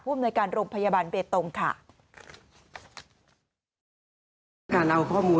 ผู้บุญการโรงพยาบาลเบตตงค่ะ